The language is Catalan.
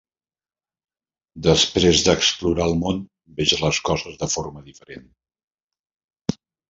Després d'explorar el món veig les coses de forma distinta.